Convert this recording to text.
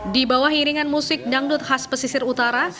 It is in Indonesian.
di bawah iringan musik dangdut khas pesisir utara